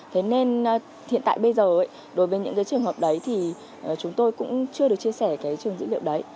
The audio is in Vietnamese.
thế nên hiện tại bây giờ đối với những trường hợp đấy chúng tôi cũng chưa được chia sẻ trường dữ liệu đấy